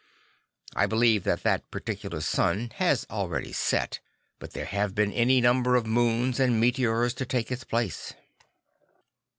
I believe that that particular sun has already set, but there have been any number of moons and meteors to take its place.